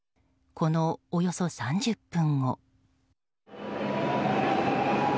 このおよそ３０分後。